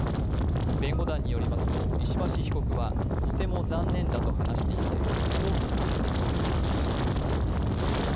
弁護団によりますと石橋被告は、とても残念だと話していて控訴する方針です。